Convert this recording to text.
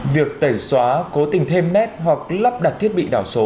việc tẩy xóa cố tình thêm nét hoặc lắp đặt thiết bị đảo số